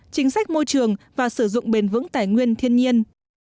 chính sách môi trường và sử dụng bền vững tài nguyên thiên nhiên